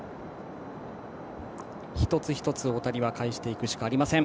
一つ一つ大谷は返していくしかありません。